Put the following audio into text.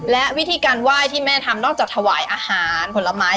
และวิธีการไหว้ที่แม่ทำนอกจากถวายอาหารผลไม้